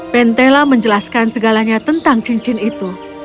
pentela menjelaskan segalanya tentang cincin itu